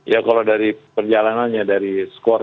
ya kalau dari perjalanannya dari skor